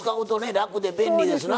楽で便利ですな。